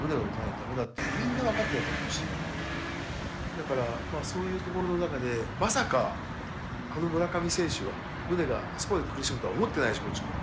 だからそういうところの中でまさかあの村上選手がムネがあそこまで苦しむとは思ってないしこっちも。